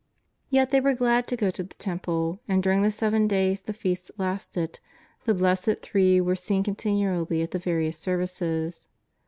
Yet they were glad to go to the Temple, and, during the seven days the Feast lasted, the blessed Three were seen continually at the various services.